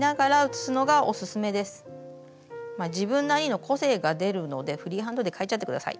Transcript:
自分なりの個性が出るのでフリーハンドで描いちゃって下さい。